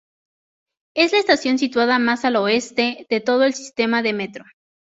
Es la estación situada más al Oeste de todo el sistema de metro.